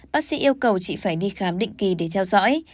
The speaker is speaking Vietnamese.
bác sĩ yêu cầu chị phải đi khám định kỳ để theo dõi